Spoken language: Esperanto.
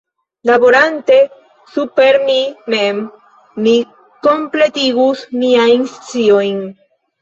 Laborante super mi mem, mi kompletigus miajn sciojn.